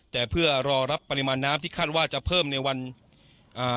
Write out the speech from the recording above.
แต่เพื่อรอรับปริมาณน้ำที่คาดว่าจะเพิ่มในวันอ่า